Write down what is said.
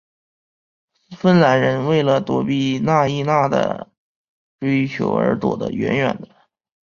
芬兰人为了躲避纳伊娜的追求而躲得远远的。